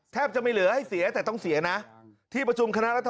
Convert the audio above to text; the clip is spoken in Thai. แทบจะไม่เหลือให้เสียแต่ต้องเสียนะที่ประชุมคณะรัฐ